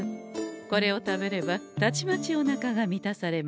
これを食べればたちまちおなかが満たされましょう。